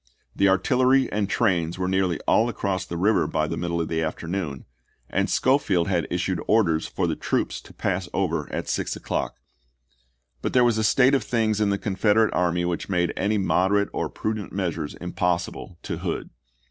The artillery and trains were nearly all across the river by the middle of the afternoon, and Schofield had issued orders for the nov.3o,is64. troops to pass over at six o'clock. But there was a state of things in the Confederate army which made any moderate or prudent measures impossible to Hood.